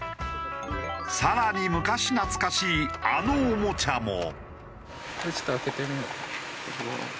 更に昔懐かしいあのおもちゃも。